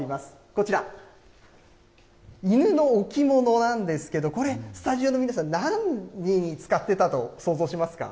こちら、犬の置物なんですけど、これ、スタジオの皆さん、何に使ってたと想像しますか。